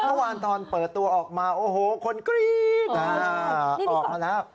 เมื่อวานตอนเปิดตัวออกมาโอ้โหคนกรี๊ดออกมาแล้ว